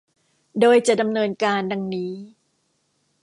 โดยจะดำเนินการ ดังนี้